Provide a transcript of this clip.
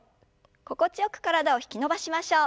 心地よく体を引き伸ばしましょう。